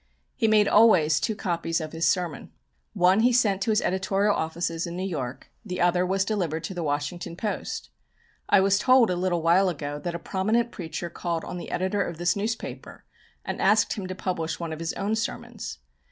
He made always two copies of his sermon. One he sent to his editorial offices in New York, the other was delivered to the Washington Post. I was told a little while ago that a prominent preacher called on the editor of this newspaper and asked him to publish one of his own sermons.